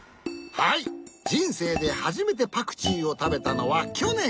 はいじんせいではじめてパクチーをたべたのはきょねん！